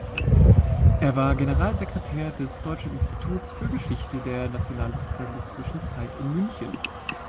Er war Generalsekretär des Deutschen Instituts für Geschichte der nationalsozialistischen Zeit in München.